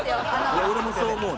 俺もそう思う。